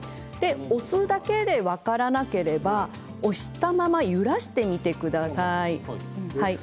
押すだけで分からなければ押したまま揺らしてみてください。